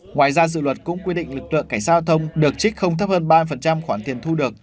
ngoài ra dự luật cũng quy định lực lượng cảnh sát giao thông được trích không thấp hơn ba khoản tiền thu được